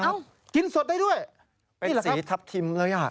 ครับกินสดได้ด้วยนี่หรือครับเป็นสีทัพทิมเลยอ่ะ